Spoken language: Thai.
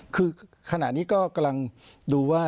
คือขณะนี้ก็กำลังดูว่า